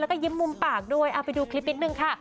แล้วก็ยิ้มมุมปากด้วยเอาไปดูคลิปนิดนึงค่ะ